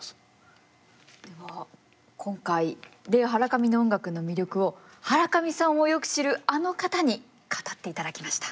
では今回レイ・ハラカミの音楽の魅力をハラカミさんをよく知るあの方に語っていただきました。